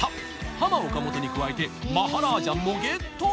ハマ・オカモトに加えてマハラージャンもゲット！